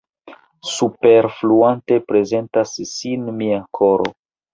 Superfluante prezentas sin mia koro.